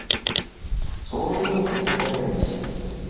Слово имеет Секретарь Комиссии.